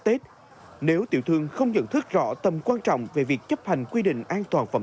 tết nếu tiểu thương không nhận thức rõ tầm quan trọng về việc chấp hành quy định an toàn phẩm